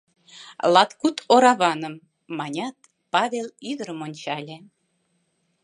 Латкуд ораваным, — манят, Павел ӱдырым ончале.